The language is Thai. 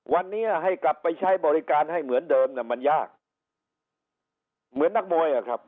วันนี้ให้กลับไปใช้บริการให้เหมือนเดิมน่ะมันยากเหมือนนักมวยอ่ะครับ